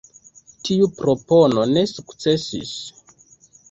Tiu propono ne sukcesis.